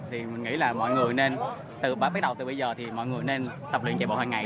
thì mình nghĩ là mọi người nên từ bắt đầu từ bây giờ thì mọi người nên tập luyện chạy bộ hằng ngày